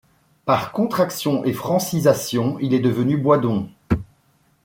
Par contraction et francisation, il est devenu Boisdon.